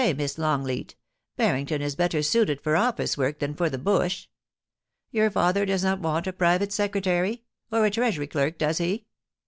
Miss Longleat, Bar rington is better suited for office work than for the bush. Your father does not want a private secretary, or a treasury clerk, does he ?